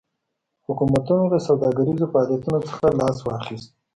حکومتونو له سوداګریزو فعالیتونو څخه لاس واخیست.